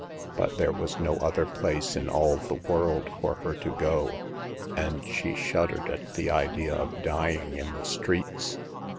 But there was no other place in all the world for her to go ; and she shuddered at the idea of dying in the streets.